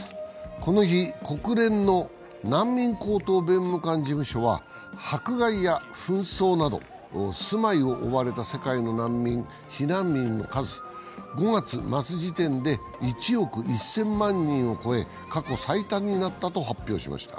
この日、国連の難民高等弁務官事務所は迫害や紛争など、住まいを追われた世界の難民、避難民の数５月末時点で１億１０００万人を超え過去最多になったと発表しました。